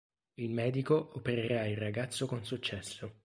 Il medico opererà il ragazzo con successo.